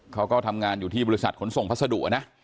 เขาก็ทำงานอยู่ที่บริษัทขนส่งพัสดุนะ